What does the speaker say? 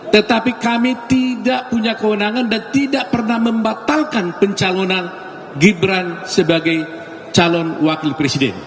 tetapi kami tidak punya kewenangan dan tidak pernah membatalkan pencalonan gibran sebagai calon wakil presiden